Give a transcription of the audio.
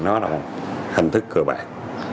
nó là một hình thức cơ bản